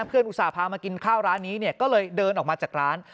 อุตส่าห์พามากินข้าวร้านนี้ก็เลยเดินออกมาจากร้าน